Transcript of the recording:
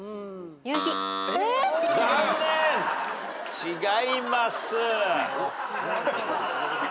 違います。